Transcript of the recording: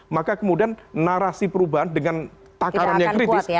maka kemudian narasi perubahan dengan takarannya kritis